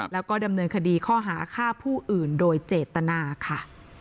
แล้วก็ดำเนินคดีข้อหาฆ่าผู้อื่นโดยเจตนาค่ะ